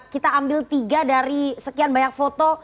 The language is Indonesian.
kita ambil tiga dari sekian banyak foto